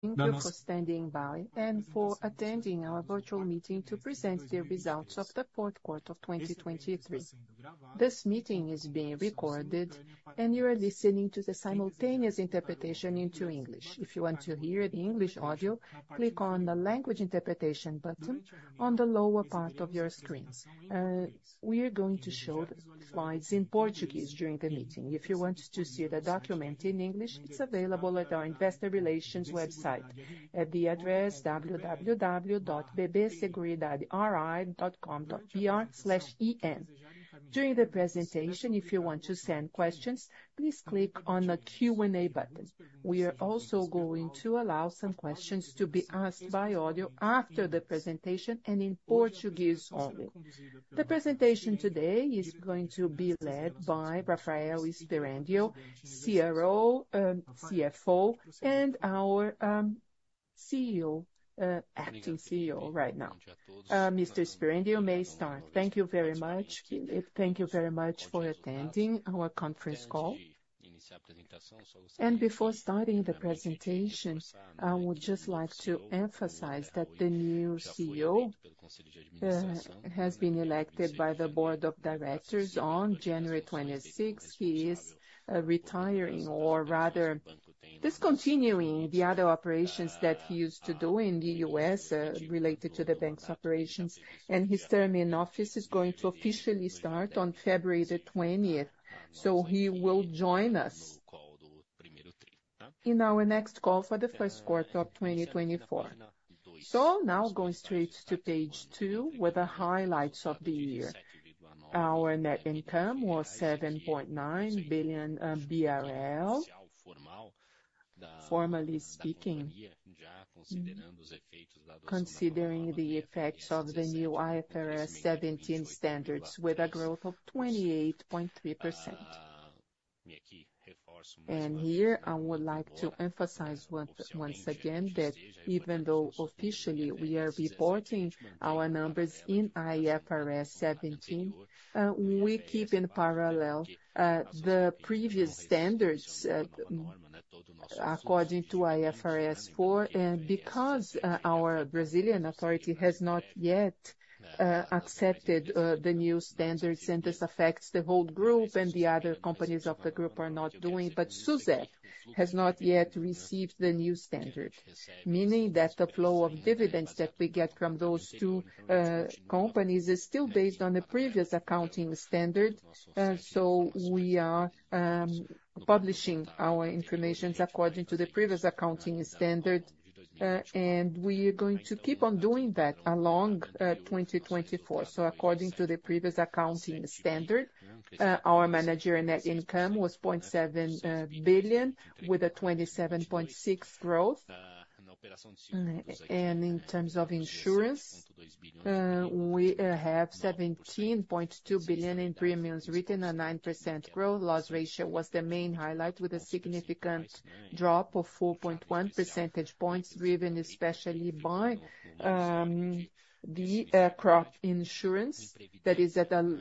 Thank you for standing by and for attending our virtual meeting to present the results of the fourth quarter of 2023. This meeting is being recorded, and you are listening to the simultaneous interpretation into English. If you want to hear the English audio, click on the Language Interpretation button on the lower part of your screens. We are going to show the slides in Portuguese during the meeting. If you want to see the document in English, it's available at our investor relations website at the address www.bbseguridaderi.com.br/en. During the presentation, if you want to send questions, please click on the Q&A button. We are also going to allow some questions to be asked by audio after the presentation and in Portuguese only. The presentation today is going to be led by Rafael Sperendio, CFO and our acting CEO right now. Mr. Sperendio, you may start. Thank you very much. Thank you very much for attending our conference call. Before starting the presentation, I would just like to emphasize that the new CEO has been elected by the Board of Directors on January 26. He is retiring, or rather discontinuing the other operations that he used to do in the U.S., related to the bank's operations. His term in office is going to officially start on February the 20th. So he will join us in our next call for the first quarter of 2024. So now going straight to page two, with the highlights of the year. Our net income was 7.9 billion BRL, formally speaking, considering the effects of the new IFRS 17 standards, with a growth of 28.3%. I would like to emphasize once again that even though officially we are reporting our numbers in IFRS 17, we keep in parallel the previous standards according to IFRS Four. And because our Brazilian authority has not yet accepted the new standards, and this affects the whole group, and the other companies of the group. But Susep has not yet received the new standard, meaning that the flow of dividends that we get from those two companies is still based on the previous accounting standard. So we are publishing our information according to the previous accounting standard, and we are going to keep on doing that along 2024. So according to the previous accounting standard, our managerial net income was 0.7 billion, with a 27.6% growth. In terms of insurance, we have 17.2 billion in premiums written, a 9% growth. Loss ratio was the main highlight, with a significant drop of 4.1 percentage points, driven especially by the crop insurance that is at a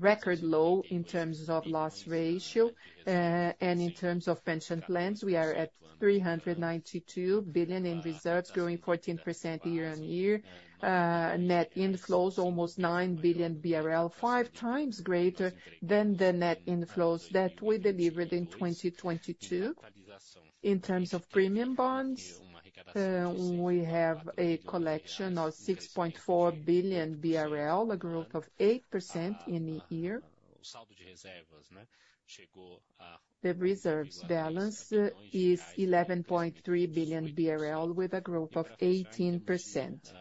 record low in terms of loss ratio. In terms of pension plans, we are at 392 billion in reserves, growing 14% year-on-year. Net inflows, almost 9 billion BRL, five times greater than the net inflows that we delivered in 2022. In terms of premium bonds, we have a collection of 6.4 billion BRL, a growth of 8% in the year. The reserves balance is 11.3 billion BRL, with a growth of 18%.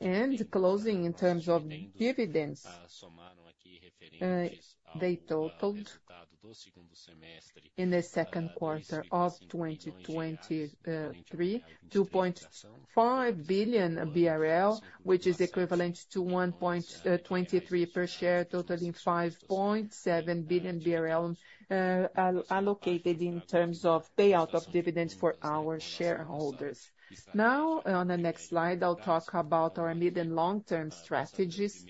In closing, in terms of dividends, they totaled in the second quarter of 2023, 2.5 billion BRL, which is equivalent to 1.23 per share, totaling 5.7 billion BRL, allocated in terms of payout of dividends for our shareholders. Now, on the next slide, I'll talk about our mid- and long-term strategies.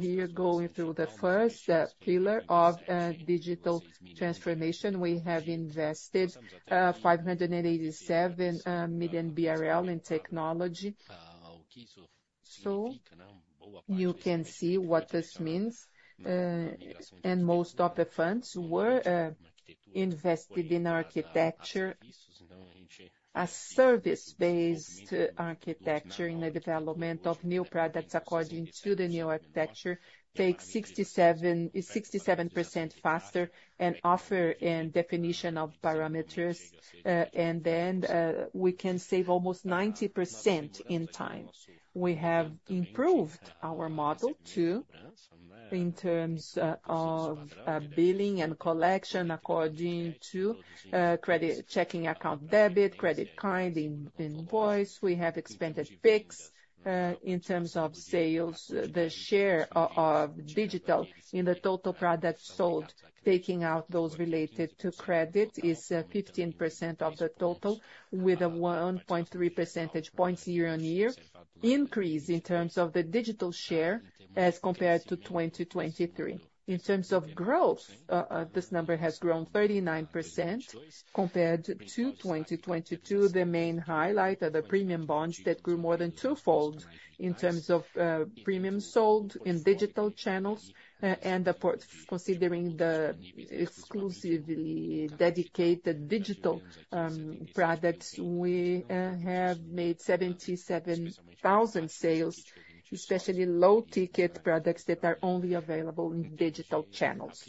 Here, going through the first pillar of digital transformation, we have invested 587 million BRL in technology. So you can see what this means, and most of the funds were invested in architecture, a service-based architecture in the development of new products according to the new architecture, takes 67% faster and offer and definition of parameters, and then, we can save almost 90% in time. We have improved our model, too, in terms of billing and collection, according to credit, checking account debit, credit card, invoice. We have expanded Pix in terms of sales. The share of digital in the total products sold, taking out those related to credit, is 15% of the total, with a 1.3 percentage points year-on-year increase in terms of the digital share as compared to 2023. In terms of growth, this number has grown 39% compared to 2022. The main highlight are the premium bonds, that grew more than twofold in terms of premiums sold in digital channels. And considering the exclusively dedicated digital products, we have made 77,000 sales, especially low-ticket products that are only available in digital channels.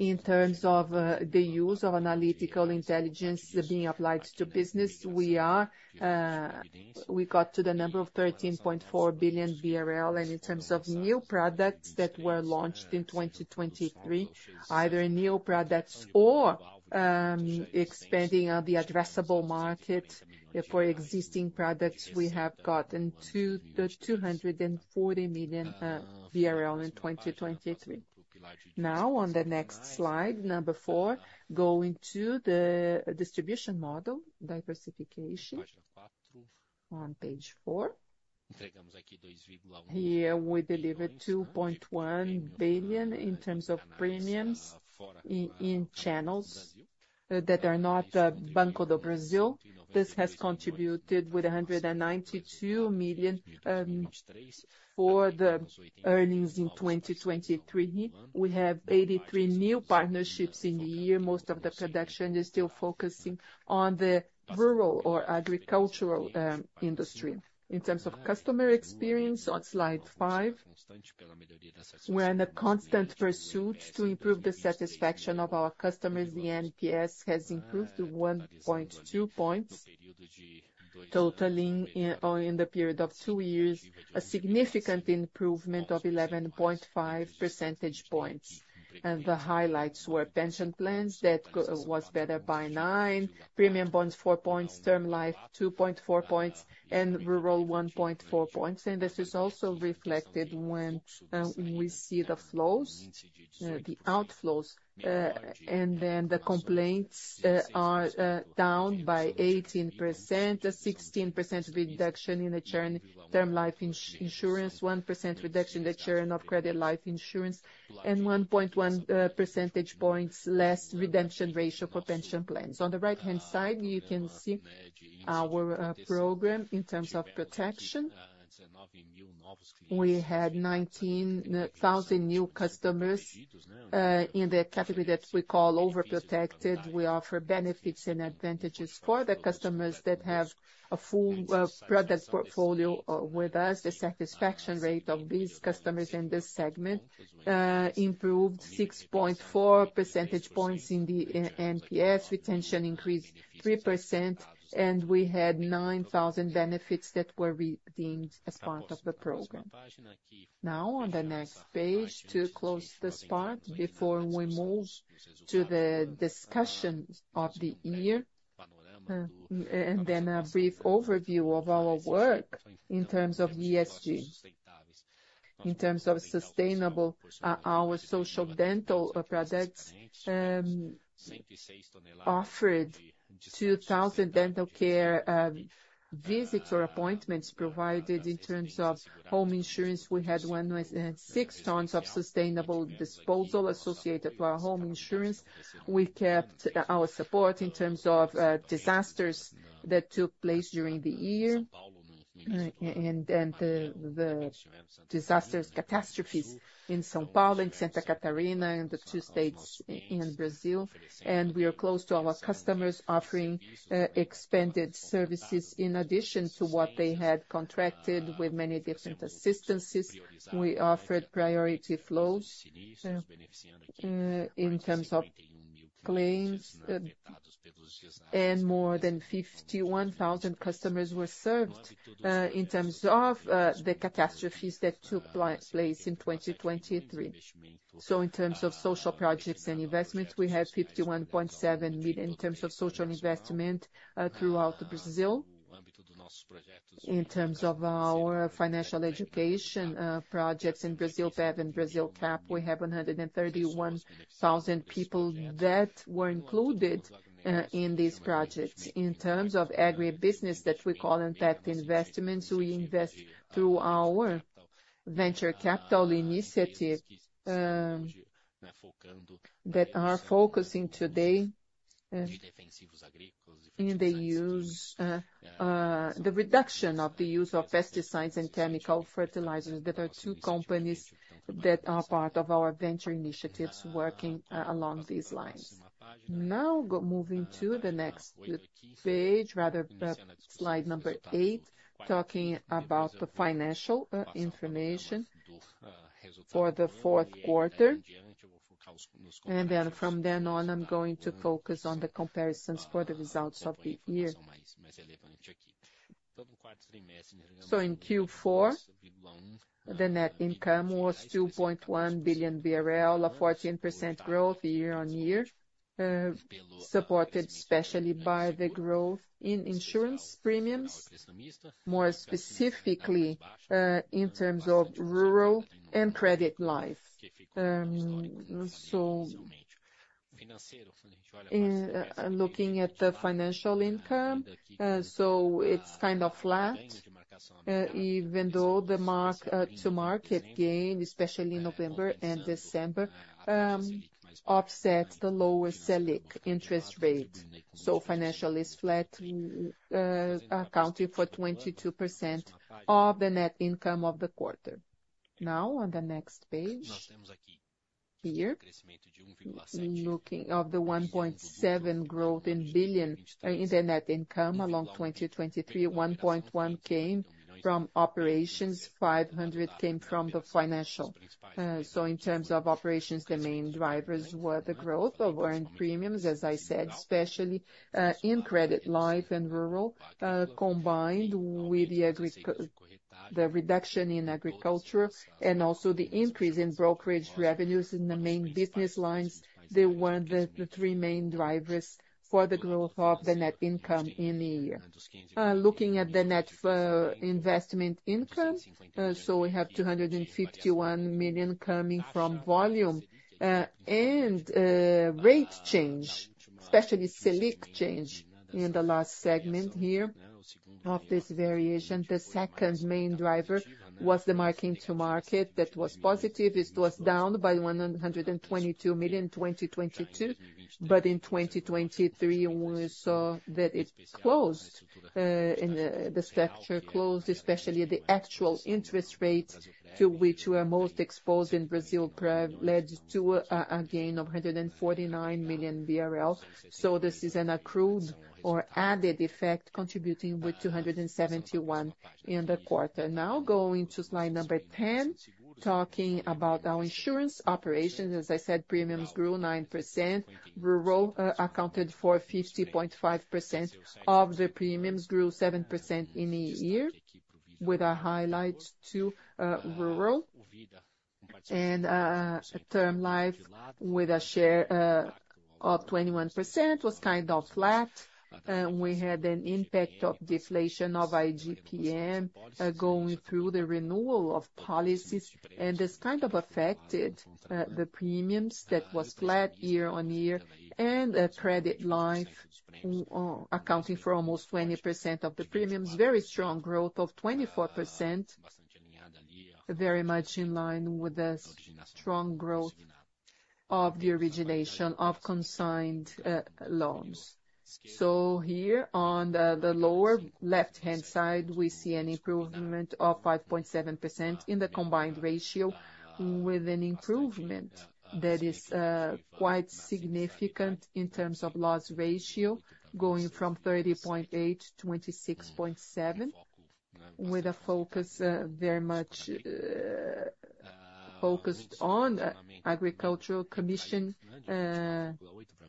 In terms of the use of analytical intelligence being applied to business, we are, we got to the number of 13.4 billion BRL. In terms of new products that were launched in 2023, either new products or expanding the addressable market for existing products, we have gotten to 240 million BRL in 2023. Now, on the next slide, number four, going to the distribution model, diversification on page four. Here, we delivered 2.1 billion in terms of premiums in channels that are not Banco do Brasil. This has contributed with 192 million for the earnings in 2023. We have 83 new partnerships in the year. Most of the production is still focusing on the rural or agricultural industry. In terms of customer experience on slide five, we're in a constant pursuit to improve the satisfaction of our customers. The NPS has improved to 1.2 points, totaling in the period of two years, a significant improvement of 11.5 percentage points. The highlights were pension plans that was better by nine, premium bonds, four points, term life, 2.4 points, and rural, 1.4 points. This is also reflected when we see the flows, the outflows, and then the complaints are down by 18%, a 16% reduction in the churn term life insurance, 1% reduction in the churn of credit life insurance, and 1.1 percentage points less redemption ratio for pension plans. On the right-hand side, you can see our program in terms of protection. We had 19,000 new customers in the category that we call overprotected. We offer benefits and advantages for the customers that have a full product portfolio with us. The satisfaction rate of these customers in this segment improved 6.4 percentage points in the NPS. Retention increased 3%, and we had 9,000 benefits that were redeemed as part of the program. Now, on the next page, to close this part before we move to the discussion of the year and then a brief overview of our work in terms of ESG. In terms of sustainable, our social dental products offered 2,000 dental care visits or appointments provided. In terms of home insurance, we had 1.6 tons of sustainable disposal associated to our home insurance. We kept our support in terms of disasters that took place during the year, and the disasters, catastrophes in São Paulo and Santa Catarina, and the two states in Brazil. We are close to our customers, offering expanded services in addition to what they had contracted with many different assistances. We offered priority flows in terms of claims, and more than 51,000 customers were served in terms of the catastrophes that took place in 2023. So in terms of social projects and investments, we have 51.7 million in terms of social investment throughout Brazil. In terms of our financial education projects in Brasilprev and Brasilcap, we have 131,000 people that were included in these projects. In terms of agribusiness, that we call impact investments, we invest through our venture capital initiative, that are focusing today, in the reduction of the use of pesticides and chemical fertilizers that are two companies that are part of our venture initiatives working along these lines. Now, moving to the next page, rather, slide number eight, talking about the financial information for the fourth quarter, and then from then on, I'm going to focus on the comparisons for the results of the year. So in Q4, the net income was 2.1 billion BRL, a 14% growth year-on-year, supported especially by the growth in insurance premiums, more specifically, in terms of rural and credit life. So, looking at the financial income, so it's kind of flat, even though the mark-to-market gain, especially in November and December, offsets the lower Selic interest rates. So financial is flat, accounting for 22% of the net income of the quarter. Now, on the next page. Here, looking at the 1.7 billion growth in the net income in 2023, 1.1 billion came from operations, 500 million came from the financial. So in terms of operations, the main drivers were the growth of earned premiums, as I said, especially in credit life and rural, combined with the reduction in agriculture and also the increase in brokerage revenues in the main business lines. They were the three main drivers for the growth of the net income in the year. Looking at the net investment income, so we have 251 million coming from volume and rate change, especially Selic change in the last segment here of this variation. The second main driver was the mark-to-market that was positive. It was down by 122 million in 2022, but in 2023, we saw that it closed and the structure closed, especially the actual interest rate to which we are most exposed in Brazil, prevailed to a gain of 149 million BRL. So this is an accrued or added effect, contributing with 271 million in the quarter. Now, going to slide number 10, talking about our insurance operations. As I said, premiums grew 9%. Rural accounted for 50.5% of the premiums, grew 7% in the year, with a highlight to rural. And term life, with a share of 21% was kind of flat. We had an impact of deflation, of IGP-M, going through the renewal of policies, and this kind of affected the premiums that was flat year-on-year, and the credit life accounting for almost 20% of the premiums. Very strong growth of 24%, very much in line with the strong growth of the origination of consigned loans. So here on the lower left-hand side, we see an improvement of 5.7% in the combined ratio, with an improvement that is quite significant in terms of loss ratio, going from 30.8%-26.7%, with a focus very much focused on agricultural commission,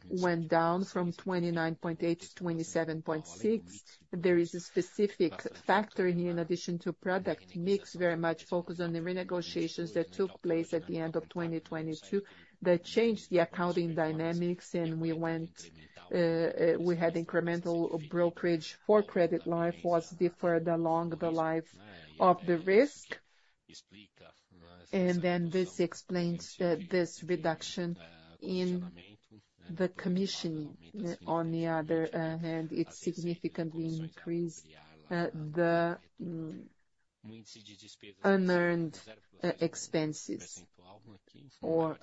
went down from 29.8%-27.6%. There is a specific factor in here, in addition to product mix, very much focused on the renegotiations that took place at the end of 2022, that changed the accounting dynamics, and we went, we had incremental brokerage for credit life was deferred along the life of the risk. And then this explains this reduction in the commissioning. On the other hand, it significantly increased the unearned expenses or...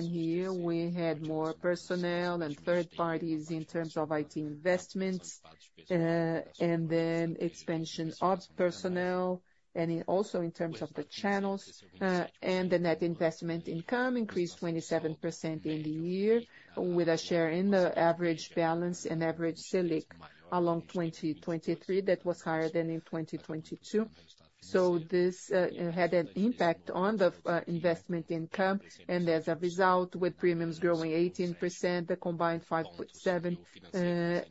Here we had more personnel and third parties in terms of IT investments, and then expansion of personnel, and also in terms of the channels, and the net investment income increased 27% in the year, with a share in the average balance and average Selic along 2023, that was higher than in 2022. So this had an impact on the investment income, and as a result, with premiums growing 18%, the combined 5.7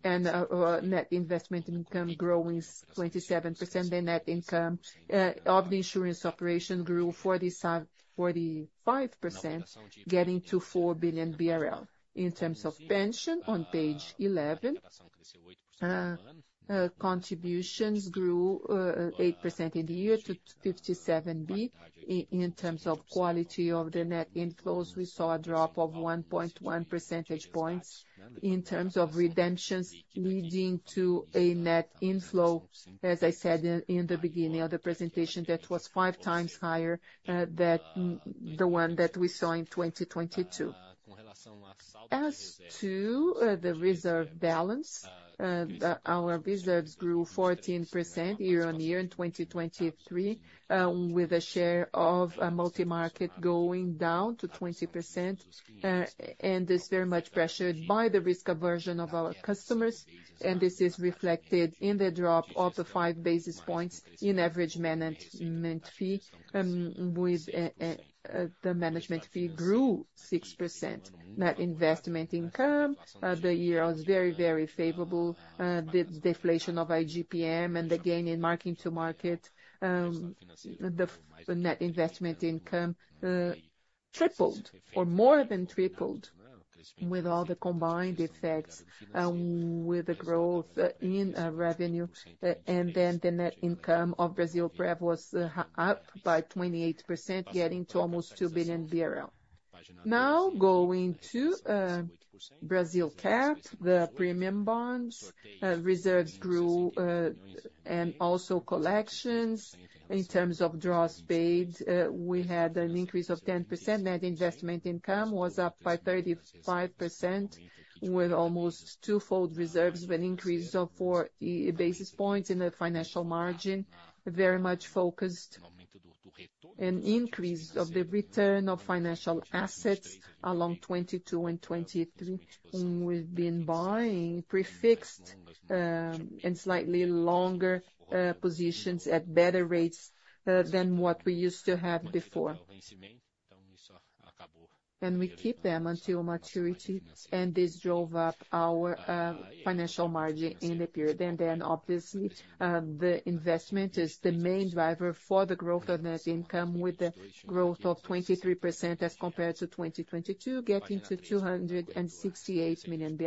and net investment income growing 27%, the net income of the insurance operation grew 45%, getting to 4 billion BRL. In terms of pension, on page 11, contributions grew 8% in the year to 57 billion. In terms of quality of the net inflows, we saw a drop of 1.1 percentage points in terms of redemptions, leading to a net inflow, as I said in the beginning of the presentation, that was five times higher than the one that we saw in 2022. As to the reserve balance, our reserves grew 14% year-on-year in 2023, with a share of a multimarket going down to 20%, and is very much pressured by the risk aversion of our customers, and this is reflected in the drop of the 5 basis points in average management fee, with the management fee grew 6%. Net investment income, the year was very, very favorable. The deflation of IGP-M and the gain in mark-to-market, the net investment income tripled or more than tripled with all the combined effects, with the growth in revenue. And then the net income of Brasilprev was up by 28%, getting to almost 2 billion BRL. Now, going to Brasilcap, the premium bonds, reserves grew, and also collections. In terms of draws paid, we had an increase of 10%. Net investment income was up by 35%, with almost twofold reserves, with an increase of four basis points in the financial margin, very much focused, an increase of the return of financial assets along 2022 and 2023. We've been buying prefixed, and slightly longer, positions at better rates than what we used to have before. We keep them until maturity, and this drove up our financial margin in the period. Then, obviously, the investment is the main driver for the growth of net income, with a growth of 23% as compared to 2022, getting to 268 million.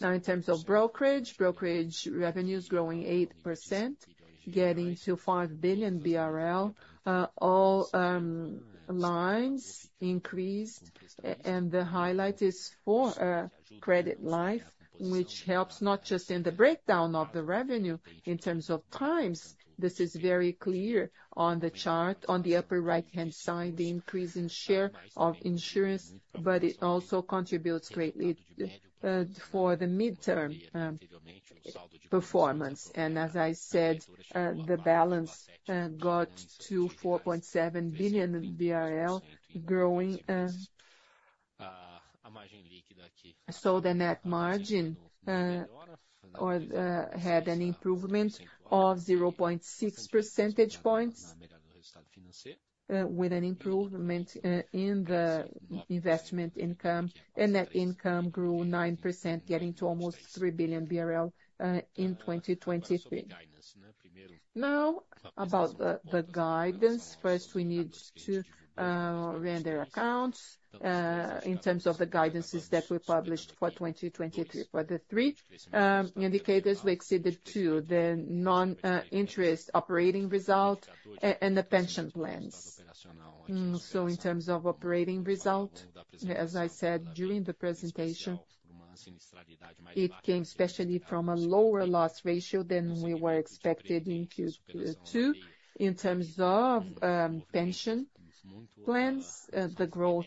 Now, in terms of brokerage, brokerage revenue is growing 8%, getting to 5 billion BRL. All lines increased, and the highlight is for credit life, which helps not just in the breakdown of the revenue in terms of times. This is very clear on the chart. On the upper right-hand side, the increase in share of insurance, but it also contributes greatly for the midterm performance. And as I said, the balance got to 4.7 billion BRL, growing... So the net margin had an improvement of 0.6 percentage points with an improvement in the investment income, and net income grew 9%, getting to almost 3 billion BRL in 2023. Now, about the guidance. First, we need to render accounts in terms of the guidances that we published for 2023. For the three indicators, we exceeded two: the non-interest operating result and the pension plans. So in terms of operating result, as I said during the presentation, it came especially from a lower loss ratio than we were expected in Q2. In terms of pension plans, the growth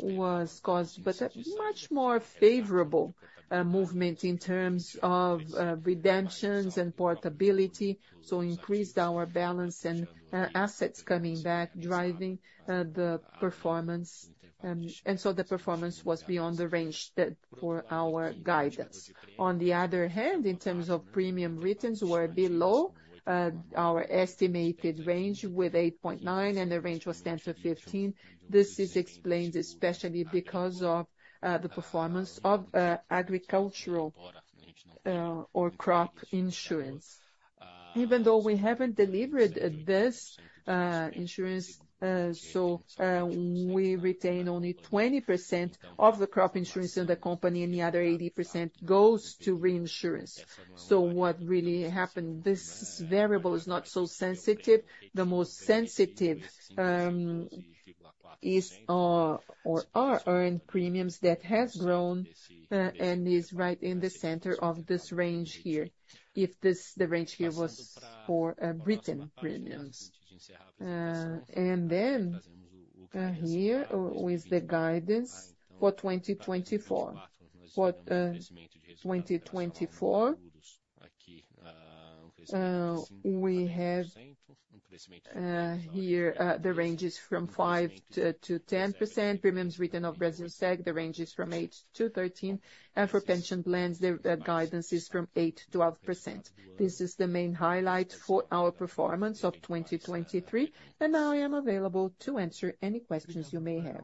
was caused by a much more favorable movement in terms of redemptions and portability, so increased our balance and assets coming back, driving the performance. And so the performance was beyond the range that for our guidance. On the other hand, in terms of premium returns were below our estimated range with 8.9, and the range was 10%-15%. This is explained especially because of the performance of agricultural or crop insurance. Even though we haven't delivered this insurance, so we retain only 20% of the crop insurance in the company, and the other 80% goes to reinsurance. So what really happened, this variable is not so sensitive. The most sensitive is or are in premiums that has grown and is right in the center of this range here, if this the range here was for written premiums. And then here with the guidance for 2024. For 2024, we have here the range is from 5%-10%. Premiums written of Brasilseg, the range is from 8%-13%, and for pension plans, the guidance is from 8%-12%. This is the main highlight for our performance of 2023, and now I am available to answer any questions you may have.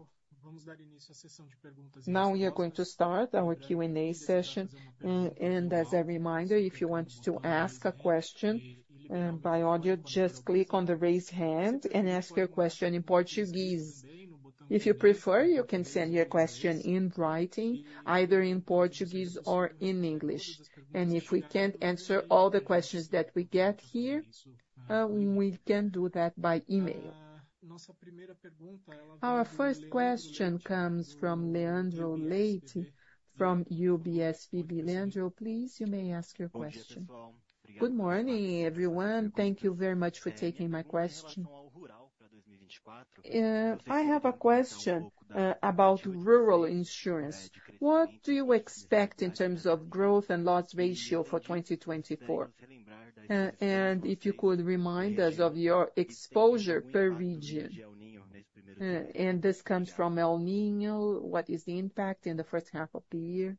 Now we are going to start our Q&A session. As a reminder, if you want to ask a question by audio, just click on the Raise Hand and ask your question in Portuguese. If you prefer, you can send your question in writing, either in Portuguese or in English, and if we can't answer all the questions that we get here, we can do that by email. Our first question comes from Leandro Leite, from UBS BB. Leandro, please, you may ask your question. Good morning, everyone. Thank you very much for taking my question. I have a question about rural insurance. What do you expect in terms of growth and loss ratio for 2024? And if you could remind us of your exposure per region. And this comes from El Niño, what is the impact in the first half of the year?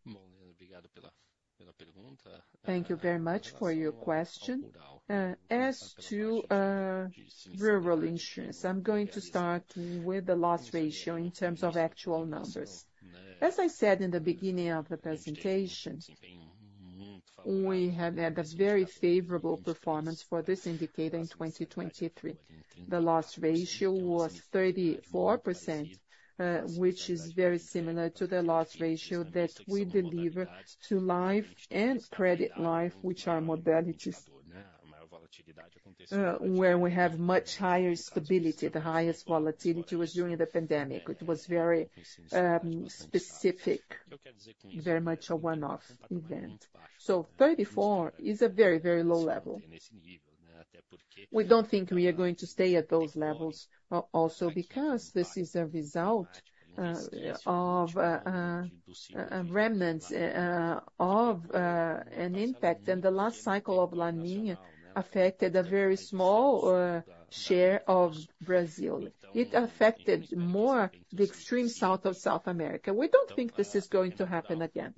Thank you very much for your question. As to rural insurance, I'm going to start with the loss ratio in terms of actual numbers. As I said in the beginning of the presentation, we have had a very favorable performance for this indicator in 2023. The loss ratio was 34%, which is very similar to the loss ratio that we deliver to life and credit life, which are modalities, where we have much higher stability. The highest volatility was during the pandemic. It was very specific, very much a one-off event. So 34 is a very, very low level... We don't think we are going to stay at those levels, also, because this is a result of remnants of an impact. And the last cycle of La Niña affected a very small share of Brazil. It affected more the extreme south of South America. We don't think this is going to happen again.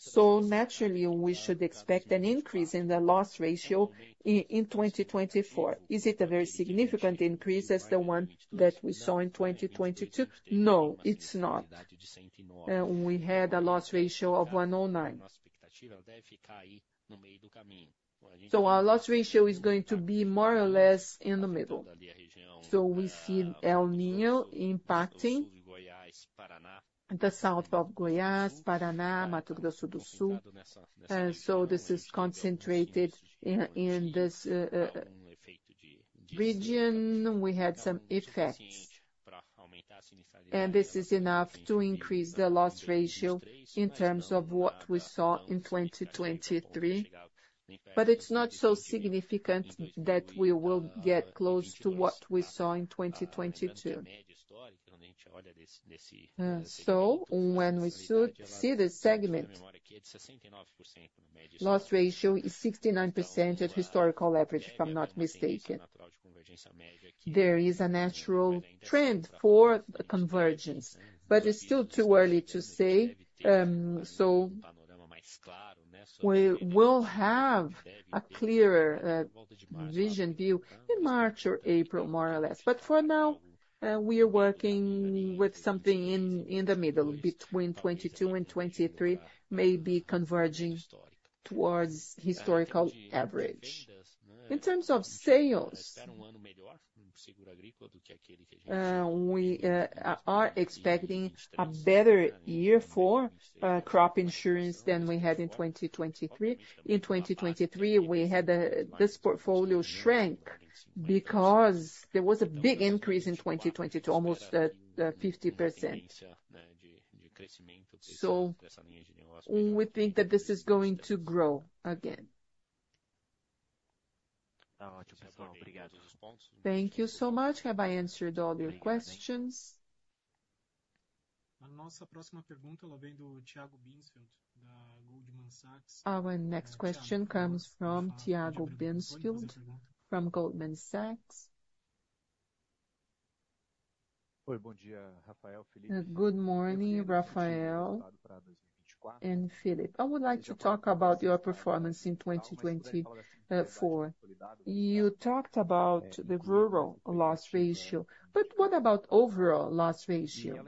So naturally, we should expect an increase in the loss ratio in 2024. Is it a very significant increase as the one that we saw in 2022? No, it's not. We had a loss ratio of 109. So our loss ratio is going to be more or less in the middle. So we see El Niño impacting the south of Goiás, Paraná, Mato Grosso do Sul. So this is concentrated in this region. We had some effects, and this is enough to increase the loss ratio in terms of what we saw in 2023. But it's not so significant that we will get close to what we saw in 2022. So when we should see the segment, loss ratio is 69% at historical average, if I'm not mistaken. There is a natural trend for the convergence, but it's still too early to say. So we will have a clearer vision view in March or April, more or less. But for now, we are working with something in, in the middle, between 22 and 23, maybe converging towards historical average. In terms of sales, we are expecting a better year for crop insurance than we had in 2023. In 2023, we had this portfolio shrank because there was a big increase in 2020 to almost 50%. So we think that this is going to grow again. Thank you so much. Have I answered all your questions? Our next question comes from Tiago Binsfeld from Goldman Sachs. Good morning, Rafael and Felipe. I would like to talk about your performance in 2024. You talked about the rural loss ratio, but what about overall loss ratio?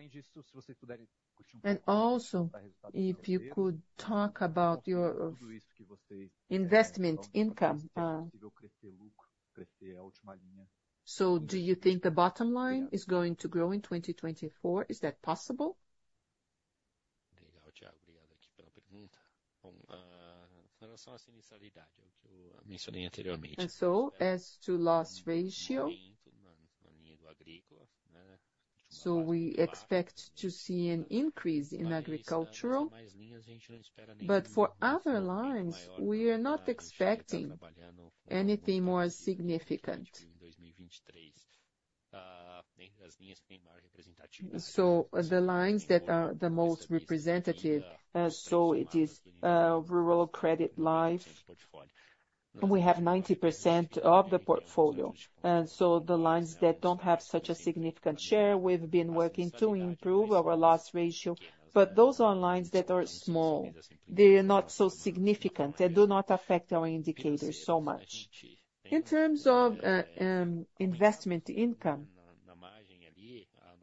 And also, if you could talk about your investment income, so do you think the bottom line is going to grow in 2024? Is that possible? And so as to loss ratio, so we expect to see an increase in agricultural, but for other lines, we are not expecting anything more significant. So the lines that are the most representative, so it is, rural credit life, we have 90% of the portfolio. And so the lines that don't have such a significant share, we've been working to improve our loss ratio, but those are lines that are small. They are not so significant. They do not affect our indicators so much. In terms of, investment income,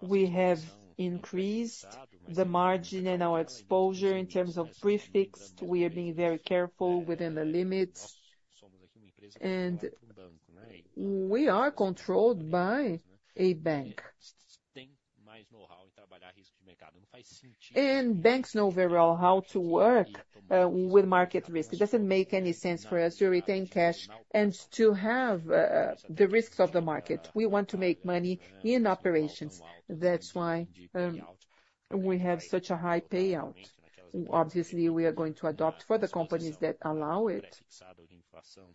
we have increased the margin and our exposure. In terms of prefixed, we are being very careful within the limits, and we are controlled by a bank. Banks know very well how to work with market risk. It doesn't make any sense for us to retain cash and to have the risks of the market. We want to make money in operations. That's why we have such a high payout. Obviously, we are going to adopt for the companies that allow it.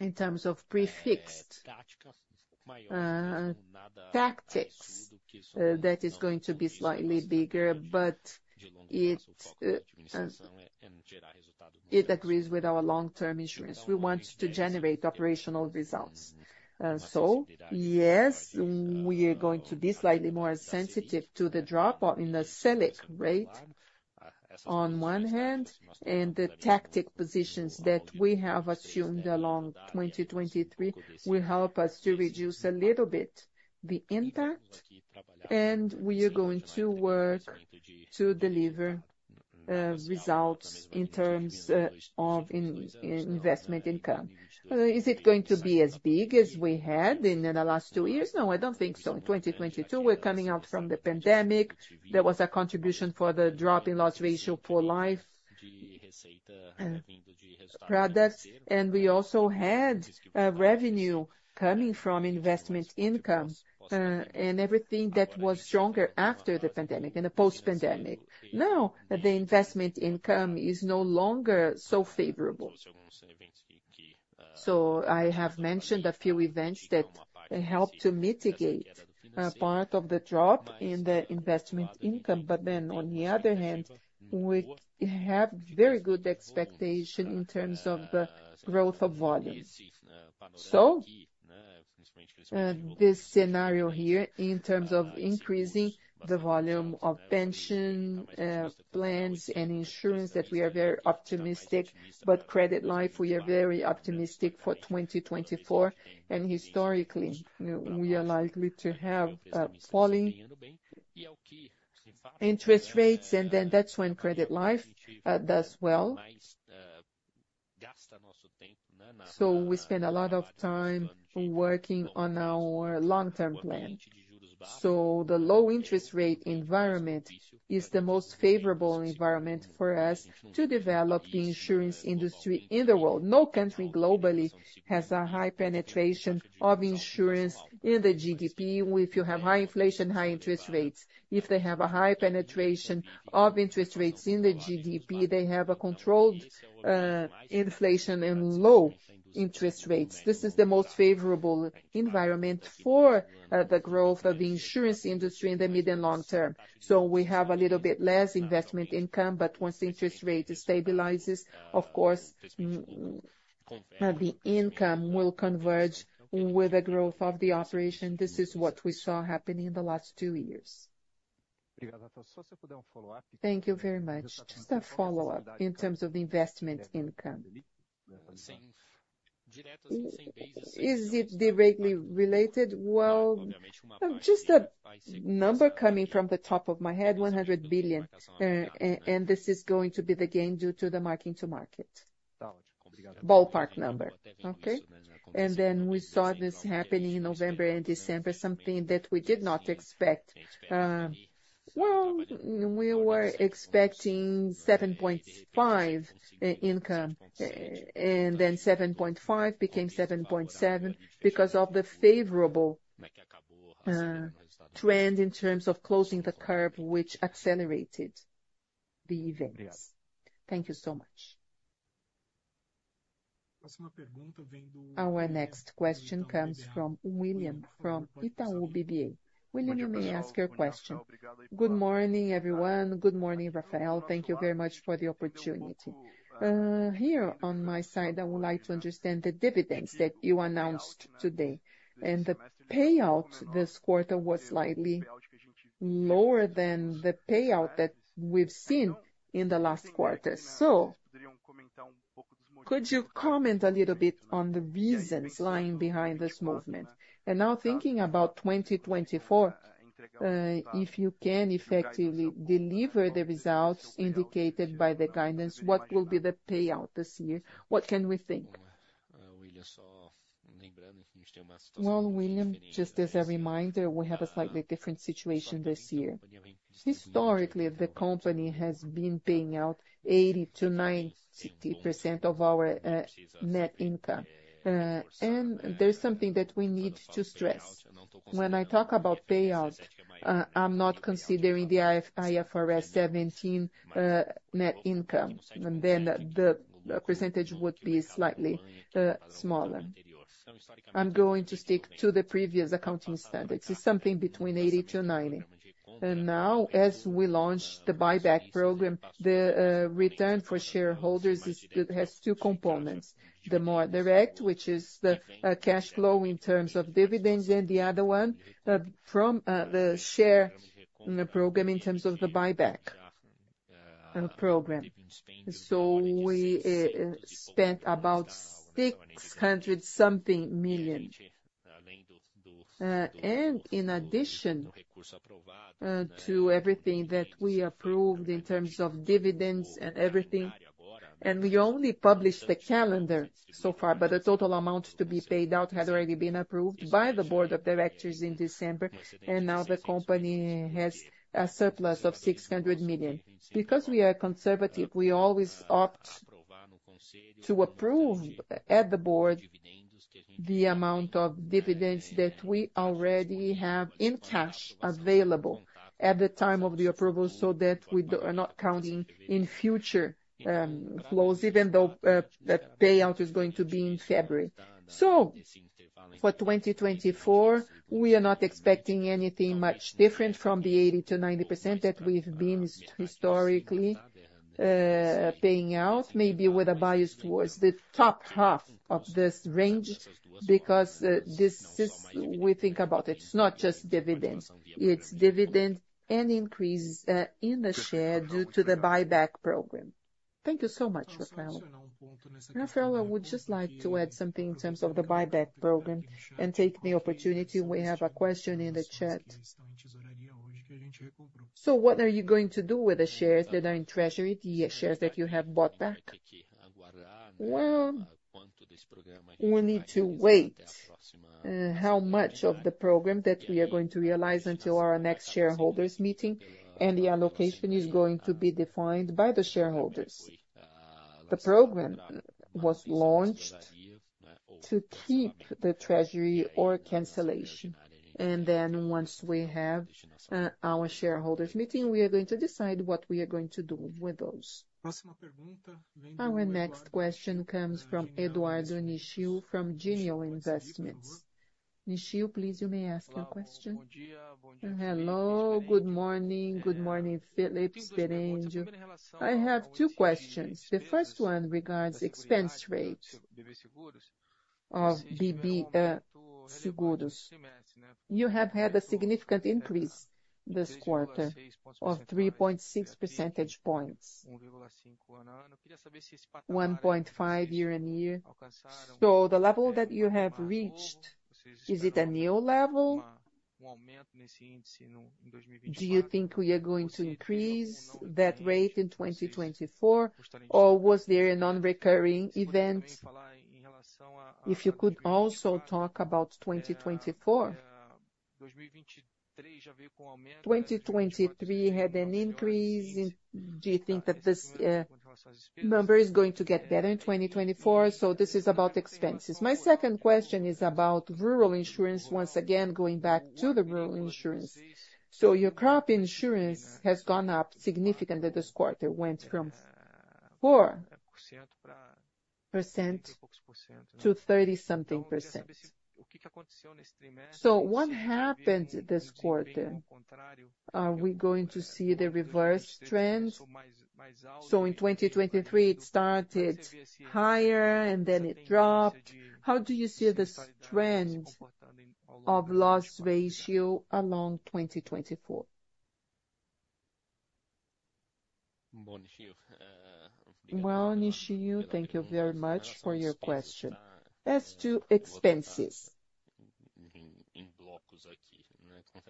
In terms of prefixed tactics, that is going to be slightly bigger, but it agrees with our long-term insurance. We want to generate operational results. And so, yes, we are going to be slightly more sensitive to the drop in the Selic rate on one hand, and the tactic positions that we have assumed along 2023 will help us to reduce a little bit the impact, and we are going to work to deliver results in terms of investment income. Is it going to be as big as we had in the last two years? No, I don't think so. In 2022, we're coming out from the pandemic. There was a contribution for the drop in loss ratio for life products, and we also had revenue coming from investment income, and everything that was stronger after the pandemic, in the post-pandemic. Now, the investment income is no longer so favorable. So I have mentioned a few events that helped to mitigate part of the drop in the investment income. But then, on the other hand, we have very good expectation in terms of the growth of volumes. So, this scenario here, in terms of increasing the volume of pension plans and insurance, that we are very optimistic, but credit life, we are very optimistic for 2024. Historically, we are likely to have falling interest rates, and then that's when credit life does well. So we spend a lot of time working on our long-term plan. So the low interest rate environment is the most favorable environment for us to develop the insurance industry in the world. No country globally has a high penetration of insurance in the GDP. If you have high inflation, high interest rates, if they have a high penetration of interest rates in the GDP, they have a controlled inflation and low interest rates. This is the most favorable environment for the growth of the insurance industry in the mid and long term. So we have a little bit less investment income, but once the interest rate stabilizes, of course, the income will converge with the growth of the operation. This is what we saw happening in the last two years. Thank you very much. Just a follow-up in terms of investment income. Is it directly related? Well, just a number coming from the top of my head, 100 billion, and this is going to be the gain due to the mark-to-market. Ballpark number. Okay. And then we saw this happening in November and December, something that we did not expect. Well, we were expecting 7.5 billion income, and then 7.5 became 7.7 because of the favorable trend in terms of closing the curve, which accelerated the events. Thank you so much. Our next question comes from William, from Itaú BBA. William, you may ask your question. Good morning, everyone. Good morning, Rafael. Thank you very much for the opportunity. Here on my side, I would like to understand the dividends that you announced today, and the payout this quarter was slightly lower than the payout that we've seen in the last quarter. So could you comment a little bit on the reasons lying behind this movement? And now, thinking about 2024, if you can effectively deliver the results indicated by the guidance, what will be the payout this year? What can we think? Well, William, just as a reminder, we have a slightly different situation this year. Historically, the company has been paying out 80%-90% of our net income, and there's something that we need to stress. When I talk about payout, I'm not considering the IFRS 17 net income, and then the percentage would be slightly smaller. I'm going to stick to the previous accounting standards. It's something between 80%-90%. And now, as we launch the buyback program, the return for shareholders is, it has two components: the more direct, which is the cash flow in terms of dividends, and the other one from the share in the program in terms of the buyback program. So we spent about 600 million. And in addition to everything that we approved in terms of dividends and everything, and we only published the calendar so far, but the total amount to be paid out had already been approved by the Board of Directors in December, and now the company has a surplus of 600 million. Because we are conservative, we always opt to approve at the Board the amount of dividends that we already have in cash available at the time of the approval, so that we are not counting in future flows, even though the payout is going to be in February. So for 2024, we are not expecting anything much different from the 80%-90% that we've been historically paying out, maybe with a bias towards the top half of this range, because this we think about it, it's not just dividends, it's dividend and increases in the share due to the buyback program. Thank you so much, Rafael. Rafael, I would just like to add something in terms of the buyback program and take the opportunity. We have a question in the chat. So what are you going to do with the shares that are in Treasury, the shares that you have bought back? Well, we need to wait, how much of the program that we are going to realize until our next shareholders meeting, and the allocation is going to be defined by the shareholders. The program was launched to keep the treasury or cancellation, and then once we have, our shareholders meeting, we are going to decide what we are going to do with those. Our next question comes from Eduardo Nishio, from Genial Investments. Nishio, please, you may ask your question. Hello, good morning. Good morning, Felipe, Sperendio. I have two questions. The first one regards expense rates of BB Seguros. You have had a significant increase this quarter of 3.6 percentage points, 1.5 year-on-year. So the level that you have reached, is it a new level? Do you think we are going to increase that rate in 2024, or was there a non-recurring event? If you could also talk about 2024. 2023 had an increase, do you think that this number is going to get better in 2024? So this is about expenses. My second question is about rural insurance. Once again, going back to the rural insurance. So your crop insurance has gone up significantly this quarter, went from 4% to 30% something. So what happened this quarter? Are we going to see the reverse trend? So in 2023, it started higher and then it dropped. How do you see this trend of loss ratio along 2024? Well, Nishio, thank you very much for your question. As to expenses,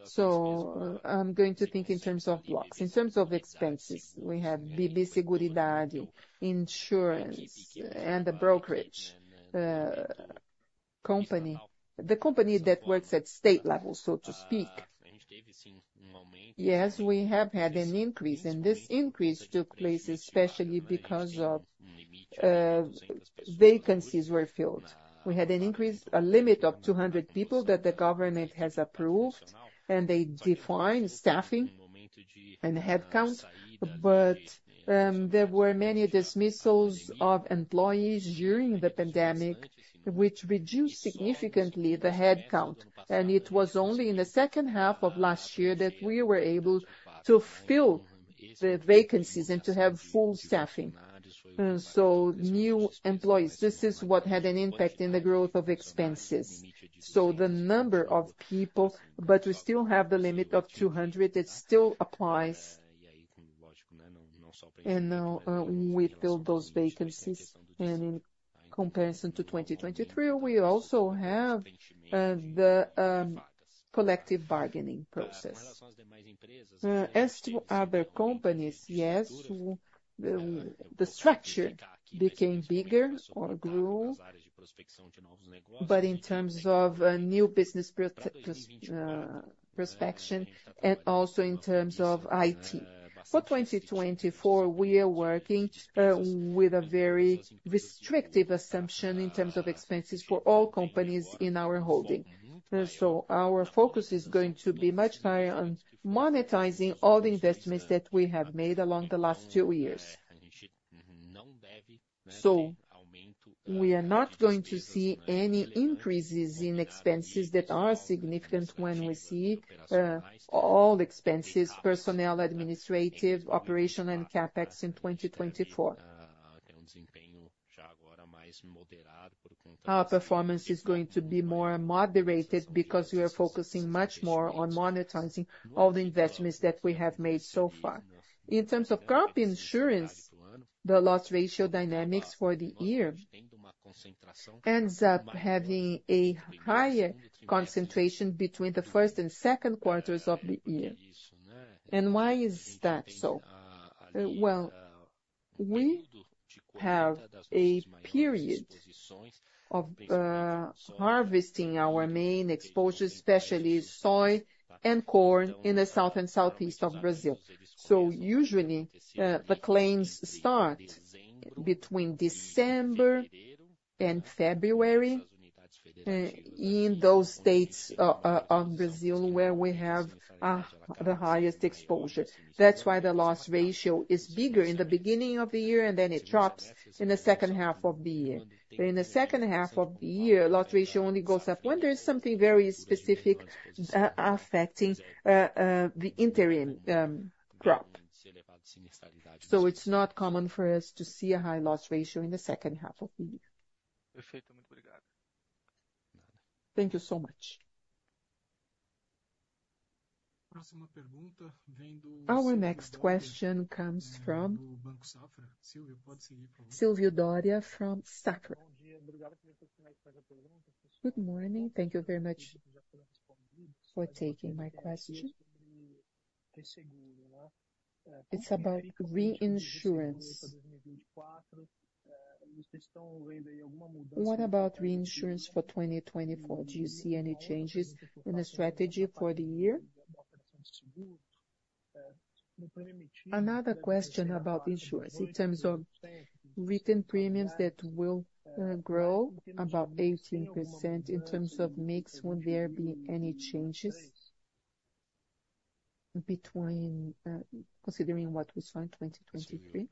so I'm going to think in terms of blocks. In terms of expenses, we have BB Seguridade Insurance and the brokerage company, the company that works at state level, so to speak. Yes, we have had an increase, and this increase took place especially because of vacancies were filled. We had an increase, a limit of 200 people that the government has approved, and they define staffing and headcount. But there were many dismissals of employees during the pandemic, which reduced significantly the headcount. And it was only in the second half of last year that we were able to fill the vacancies and to have full staffing. So new employees, this is what had an impact in the growth of expenses. So the number of people, but we still have the limit of 200, it still applies. Now, we filled those vacancies, and in comparison to 2023, we also have the collective bargaining process. As to other companies, yes, the structure became bigger or grew, but in terms of new business prospection and also in terms of IT. For 2024, we are working with a very restrictive assumption in terms of expenses for all companies in our holding. So our focus is going to be much higher on monetizing all the investments that we have made along the last two years. So we are not going to see any increases in expenses that are significant when we see all expenses, personnel, administrative, operational, and CapEx in 2024. Our performance is going to be more moderated because we are focusing much more on monetizing all the investments that we have made so far. In terms of crop insurance, the loss ratio dynamics for the year ends up having a higher concentration between the first and second quarters of the year. And why is that so? Well, we have a period of harvesting our main exposure, especially soy and corn, in the South and Southeast of Brazil. So usually, the claims start between December and February in those states of Brazil, where we have the highest exposure. That's why the loss ratio is bigger in the beginning of the year, and then it drops in the second half of the year. But in the second half of the year, loss ratio only goes up when there is something very specific affecting the winter crop. So it's not common for us to see a high loss ratio in the second half of the year. Thank you so much. Our next question comes from Silvio Dória from Safra. Good morning. Thank you very much for taking my question. It's about reinsurance. What about reinsurance for 2024? Do you see any changes in the strategy for the year? Another question about insurance, in terms of written premiums that will grow about 18%. In terms of mix, will there be any changes between considering what we saw in 2023?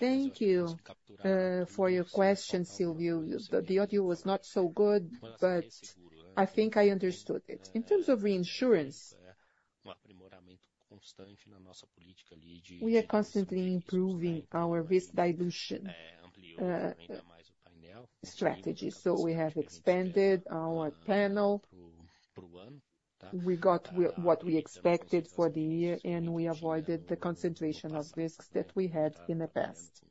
Thank you for your question, Silvio. The audio was not so good, but I think I understood it. In terms of reinsurance, we are constantly improving our risk dilution strategy. So we have expanded our panel. We got what we expected for the year, and we avoided the concentration of risks that we had in the past.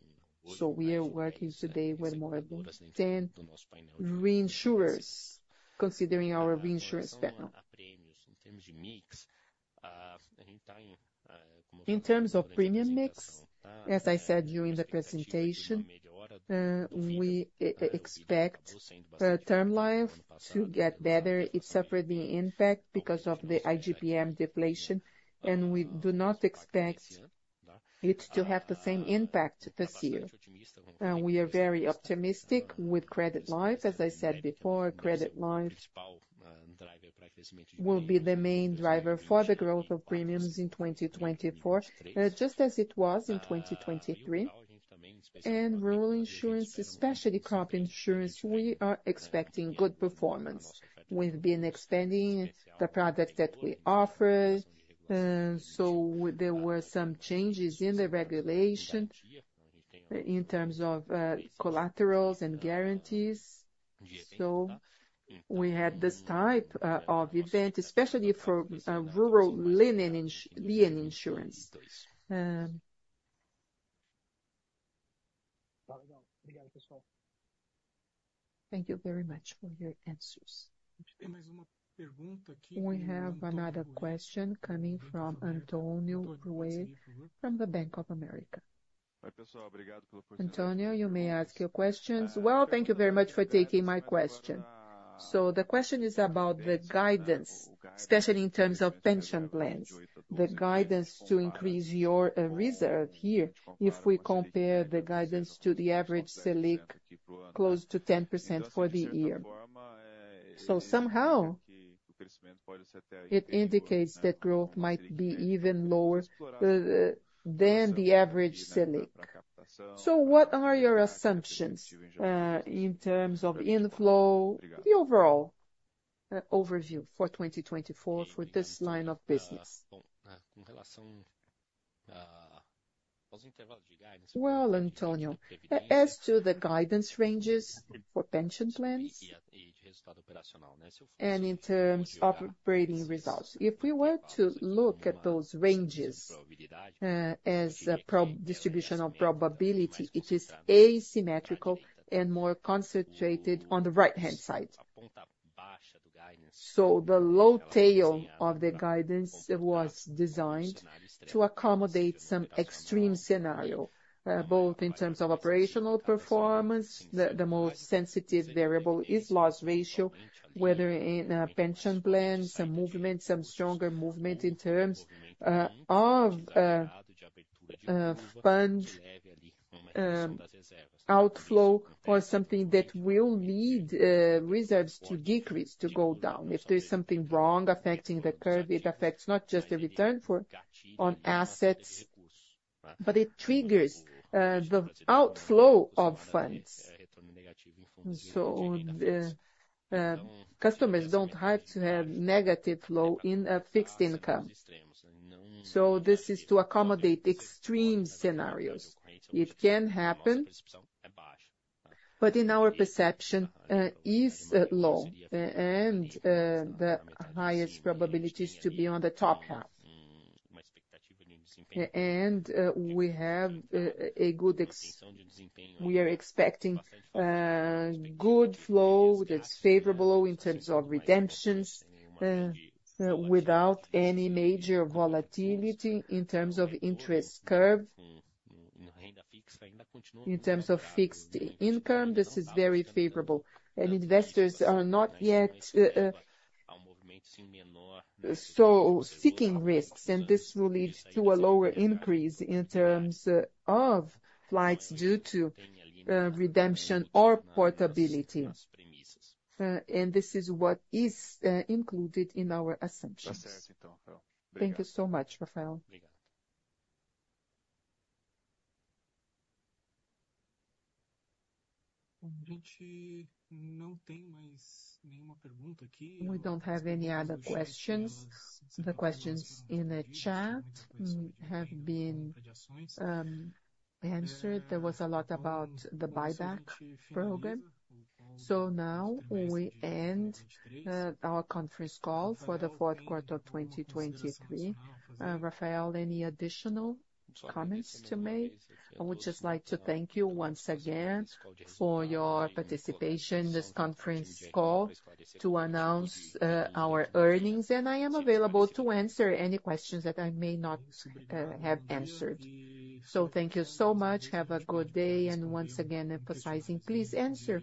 So we are working today with more than 10 reinsurers, considering our reinsurance panel. In terms of premium mix, as I said during the presentation, we expect term life to get better. It suffered the impact because of the IGP-M deflation, and we do not expect it to have the same impact this year. We are very optimistic with credit life. As I said before, credit life will be the main driver for the growth of premiums in 2024, just as it was in 2023. And rural insurance, especially crop insurance, we are expecting good performance. We've been expanding the product that we offer, so there were some changes in the regulation in terms of collaterals and guarantees. So we had this type of event, especially for rural lien insurance. Thank you very much for your answers. We have another question coming from Antonio Ruíz from the Bank of America. Antonio, you may ask your questions. Well, thank you very much for taking my question. So the question is about the guidance, especially in terms of pension plans, the guidance to increase your reserve here, if we compare the guidance to the average Selic, close to 10% for the year. So somehow, it indicates that growth might be even lower than the average Selic. So what are your assumptions in terms of inflow, the overall overview for 2024 for this line of business? Well, Antonio, as to the guidance ranges for pension plans and in terms of operating results, if we were to look at those ranges, as a distribution of probability, it is asymmetrical and more concentrated on the right-hand side. So the low tail of the guidance was designed to accommodate some extreme scenario, both in terms of operational performance, the most sensitive variable is loss ratio, whether in a pension plan, some movement, some stronger movement in terms of fund outflow or something that will lead reserves to decrease, to go down. If there is something wrong affecting the curve, it affects not just the return for-- on assets, but it triggers the outflow of funds. So customers don't have to have negative flow in a fixed income. So this is to accommodate extreme scenarios. It can happen, but in our perception, is low, and the highest probability is to be on the top half. We are expecting good flow that's favorable in terms of redemptions, without any major volatility in terms of interest curve. In terms of fixed income, this is very favorable, and investors are not yet so seeking risks, and this will lead to a lower increase in terms of flows due to redemption or portability. And this is what is included in our assumptions. Thank you so much, Rafael. We don't have any other questions. The questions in the chat have been answered. There was a lot about the buyback program. So now we end our conference call for the fourth quarter of 2023. Rafael, any additional comments to make? I would just like to thank you once again for your participation in this conference call to announce our earnings, and I am available to answer any questions that I may not have answered. So thank you so much. Have a good day, and once again, emphasizing, please answer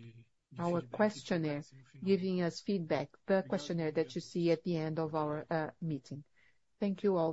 our questionnaire, giving us feedback, the questionnaire that you see at the end of our meeting. Thank you, all.